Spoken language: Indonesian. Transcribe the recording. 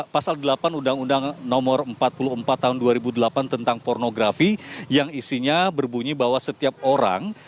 pasal delapan undang undang nomor empat puluh empat tahun dua ribu delapan tentang pornografi yang isinya berbunyi bahwa setiap orang